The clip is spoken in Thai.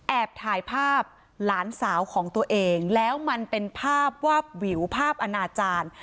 แอบถ่ายภาพหลานสาวของตัวเองแล้วมันเป็นภาพวาบวิวภาพอนาจารย์